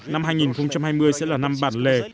năm hai nghìn hai mươi sẽ là năm bản lề